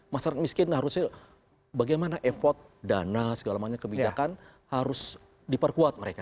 masyarakat miskin harusnya bagaimana effort dana segala macam kebijakan harus diperkuat mereka